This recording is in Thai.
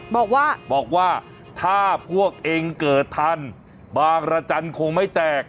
บอกว่าบอกว่าถ้าพวกเองเกิดทันบางรจันทร์คงไม่แตก